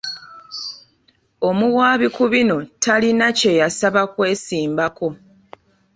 Omuwaabi ku bino talina kye yasaba kwesimbako.